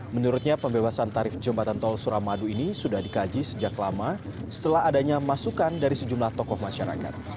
menurutnya pembebasan tarif jembatan tol suramadu ini sudah dikaji sejak lama setelah adanya masukan dari sejumlah tokoh masyarakat